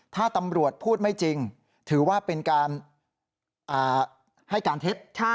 ถ้าตำรวจพูดไม่จริงถือว่าเป็นการให้การเท็จ